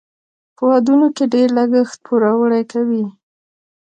په ودونو کې ډیر لګښت پوروړي کوي.